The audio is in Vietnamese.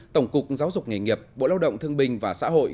tổng cục giáo dục nghề nghiệp bộ lao động thương bình và xã hội